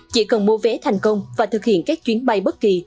chỉ cần mua vé thành công và thực hiện các chuyến bay bất kỳ